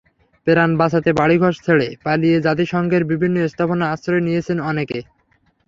প্রাণ বাঁচাতে বাড়িঘর ছেড়ে পালিয়ে জাতিসংঘের বিভিন্ন স্থাপনায় আশ্রয় নিয়েছেন অনেকে।